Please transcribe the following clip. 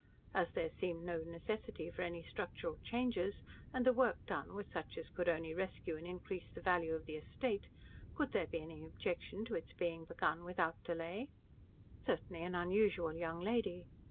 As there seemed no necessity for any structural changes, and the work done was such as could only rescue and increase the value of the estate, could there be any objection to its being begun without delay? Certainly an unusual young lady.